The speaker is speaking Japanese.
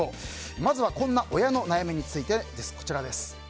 まずはこんな親の悩みについて。